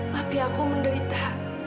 papi aku menderita